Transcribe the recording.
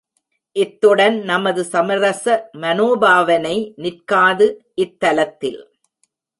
இத்துடன் நமது சமரச மனோபாவனை நிற்காது இத்தலத்தில்.